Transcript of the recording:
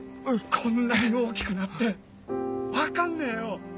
こんなに大きくなって分かんねえよ！